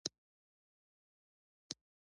ما ورته وویل: زه نو، نور در نه ځم، ځکه چې وخت نشته.